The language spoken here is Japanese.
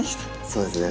そうですね。